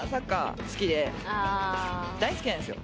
大好きなんですよ。